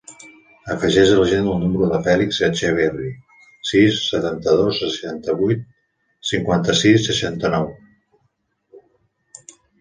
Afegeix a l'agenda el número del Fèlix Echeverri: sis, setanta-dos, seixanta-vuit, cinquanta-sis, seixanta-nou.